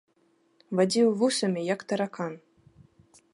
Вадзіў вусамі, як таракан.